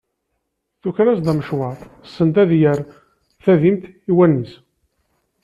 Tuker-as-d amecwar send ad yerr tadimt i wallen-is.